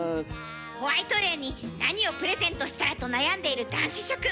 ホワイトデーに何をプレゼントしたらと悩んでいる男子諸君。